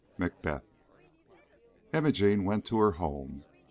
MACBETH. IMOGENE went to her home.